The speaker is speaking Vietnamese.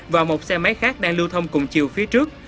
và một xe máy khác đang lưu thông cùng chiều phía trước